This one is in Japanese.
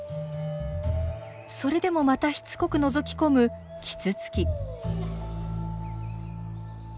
それでもまたしつこくのぞき込むキツツキ。